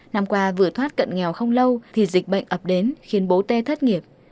năm qua vừa thoát cận nghèo không lâu thì dịch bệnh ập đến khiến bố tê thất nghiệp